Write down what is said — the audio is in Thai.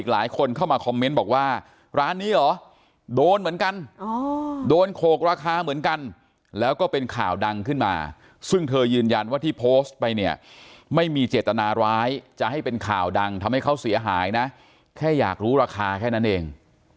หลายคนเข้ามาคอมเมนต์บอกว่าร้านนี้เหรอโดนเหมือนกันโดนโขกราคาเหมือนกันแล้วก็เป็นข่าวดังขึ้นมาซึ่งเธอยืนยันว่าที่โพสต์ไปเนี่ยไม่มีเจตนาร้ายจะให้เป็นข่าวดังทำให้เขาเสียหายนะแค่อยากรู้ราคาแค่นั้นเอง